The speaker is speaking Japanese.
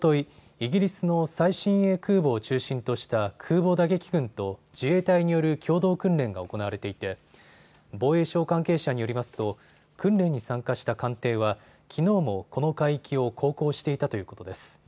イギリスの最新鋭空母を中心とした空母打撃群と自衛隊による共同訓練が行われていて防衛省関係者によりますと訓練に参加した艦艇はきのうもこの海域を航行していたということです。